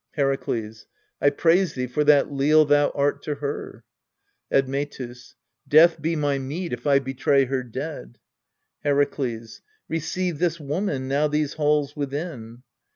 Herakles. I praise thee for that leal thou art to her. Admetus. Death be my meed, if I betray her dead. Herakles. Receive this woman now these halls within.